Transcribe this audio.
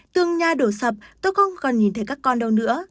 tường nhà đổ sập tôi không còn nhìn thấy các con đâu nữa